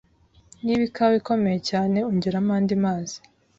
Niba ikawa ikomeye cyane, ongeramo andi mazi.